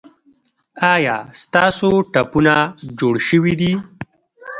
ایا ستاسو ټپونه جوړ شوي دي؟